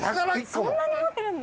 そんなに持ってるんだ。